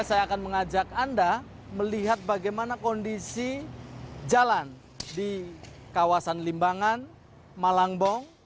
saya akan mengajak anda melihat bagaimana kondisi jalan di kawasan limbangan malangbong